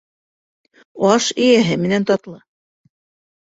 Аш эйәһе менән татлы.